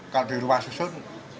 kalau di rumah susun